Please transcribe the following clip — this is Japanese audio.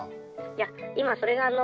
☎いや今それがあの